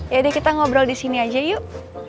yaudah kita ngobrol disini aja yuk